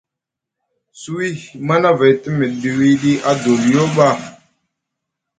Suwi manavay te miɗiɗi wiɗi adoliyo ɓa.